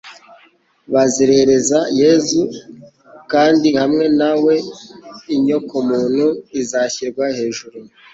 Bazerereza Yesu, kandi hamwe na we inyokomuntu izashyirwa hejuru.